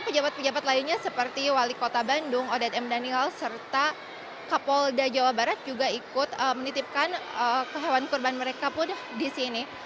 pejabat pejabat lainnya seperti wali kota bandung odet m daniel serta kapolda jawa barat juga ikut menitipkan hewan kurban mereka pun di sini